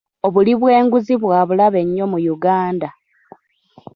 Obuli bw'enguzi bwa bulabe nnyo mu Uganda.